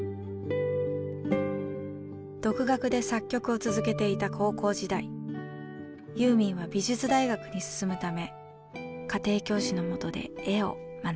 独学で作曲を続けていた高校時代ユーミンは美術大学に進むため家庭教師のもとで絵を学びます。